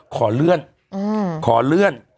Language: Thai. ขอเลื่อน